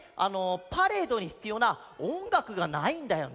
パレードにひつようなおんがくがないんだよね。